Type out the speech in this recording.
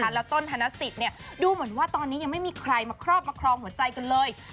แล้วต้นธนสิทธิ์ดูเหมือนว่าตอนนี้ยังไม่มีใครมาครอบมาครองหัวใจกันเลย